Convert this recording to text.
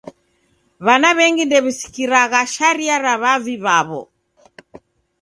W'ana w'engi ndew'isikiragha sharia ra w'avi w'aw'o.